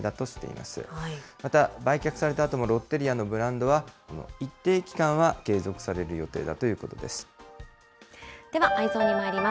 また、売却されたあともロッテリアのブランドは、一定期間は継続ではＥｙｅｓｏｎにまいります。